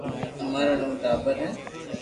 امارآ نو ٽاٻر ھي